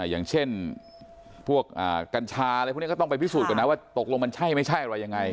อย่างเช่นพวกกัญชาอะไรพวกนี้ก็ต้องไปพิสูจนก่อนนะว่าตกลงมันใช่ไม่ใช่อะไรยังไง